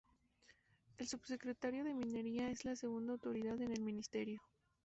El Subsecretario de Minería es la segunda autoridad en el ministerio.